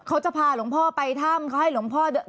เขาจะพาหลวงเพราะไปท่ามเขาให้หลวงเพราะ